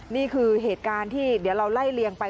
นี่คือเหตุการณ์ที่เดี๋ยวเราไล่เลียงไป